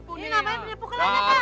pukul aja pak